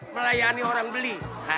melayani orang beli